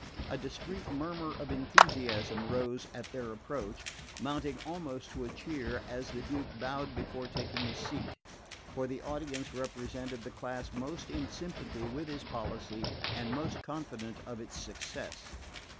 A discreet murmur of enthusiasm rose at their approach, mounting almost to a cheer as the Duke bowed before taking his seat; for the audience represented the class most in sympathy with his policy and most confident of its success.